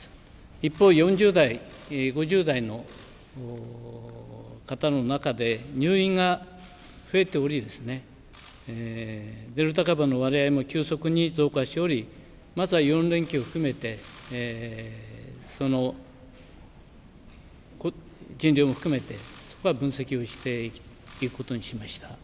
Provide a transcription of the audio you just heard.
一方４０代、５０代の方の中で入院が増えておりデルタ株の割合も急速に増加しておりまずは４連休を含めてその人流も含めて分析をしていくことにしました。